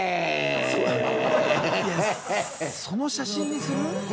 いやその写真にする？